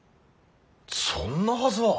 そんなはずは。